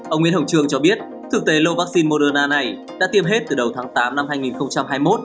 ông nguyễn hồng trường cho biết thực tế lô vaccine moderna này đã tiêm hết từ đầu tháng tám năm hai nghìn hai mươi một